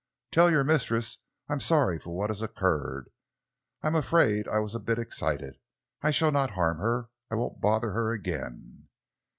"Tell your mistress I am sorry for what has occurred. I am afraid I was a bit excited. I shall not harm her; I won't bother her again."